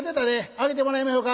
上げてもらいまひょか」。